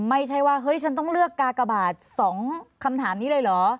ไม่ใช่ว่าเฮ้ยฉันต้องเลือกกากบาท๒คำถามนี้เลยเหรอ